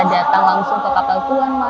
datang langsung ke kapel tuan ma